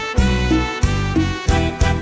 เจ้า